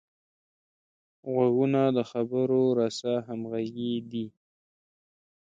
غوږونه د خبرو رسه همغږي دي